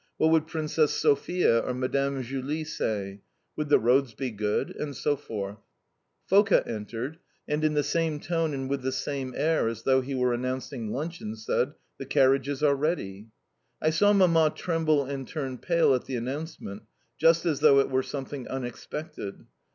What would Princess Sophia or Madame Julie say? Would the roads be good? and so forth. Foka entered, and in the same tone and with the same air as though he were announcing luncheon said, "The carriages are ready." I saw Mamma tremble and turn pale at the announcement, just as though it were something unexpected.